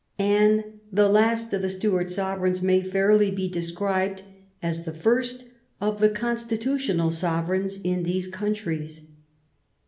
Anne, the last of the Stuart sovereigns, may fairly be described as the first of the constitutional sovereigns in these countries.